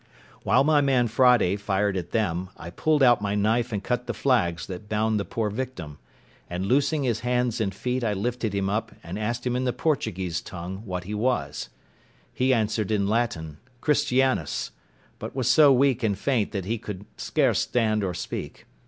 While my man Friday fired at them, I pulled out my knife and cut the flags that bound the poor victim; and loosing his hands and feet, I lifted him up, and asked him in the Portuguese tongue what he was. He answered in Latin, Christianus; but was so weak and faint that he could scarce stand or speak.